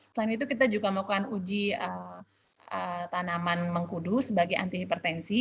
selain itu kita juga melakukan uji tanaman mengkudu sebagai anti hipertensi